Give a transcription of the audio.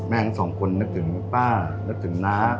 ทั้งสองคนนึกถึงป้านึกถึงน้า